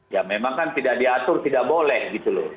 ya memang kan tidak diatur tidak boleh gitu loh